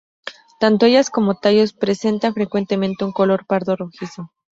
Tanto ellas como tallos presentan frecuentemente un color pardo rojizo.